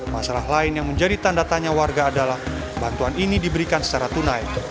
masalah lain yang menjadi tanda tanya warga adalah bantuan ini diberikan secara tunai